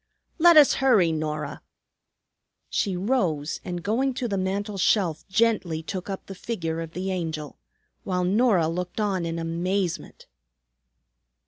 "Let us hurry, Norah." She rose, and going to the mantel shelf gently took up the figure of the Angel, while Norah looked on in amazement.